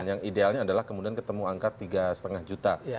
yang idealnya adalah kemudian ketemu angka tiga lima juta